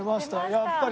やっぱり。